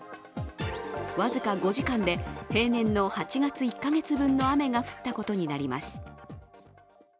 僅か５時間で平年の８月１か月分の雨が降ったことになります。